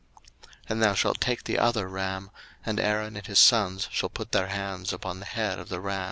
02:029:019 And thou shalt take the other ram; and Aaron and his sons shall put their hands upon the head of the ram.